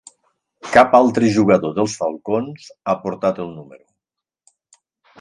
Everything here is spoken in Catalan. Cap altre jugador dels Falcons ha portat el número.